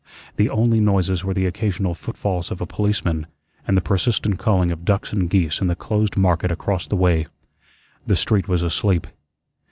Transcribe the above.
The only noises were the occasional footfalls of a policeman and the persistent calling of ducks and geese in the closed market across the way. The street was asleep.